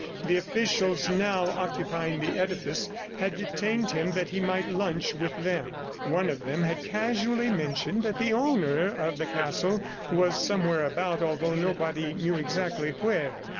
The officials now occupying the edifice had detained him that he might lunch with them. One of them had casually mentioned that the owner of the castle was somewhere about although nobody knew exactly where.